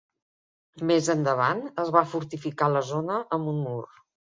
Més endavant es va fortificar la zona amb un mur.